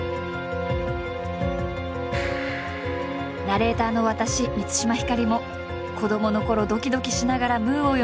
ナレーターの私満島ひかりも子どものころドキドキしながら「ムー」を読んでいた一人。